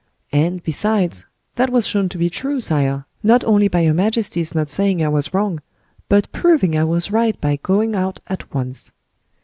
And, besides, that was shown to be true, sire, not only by your majesty's not saying I was wrong, but proving I was right by going out at once."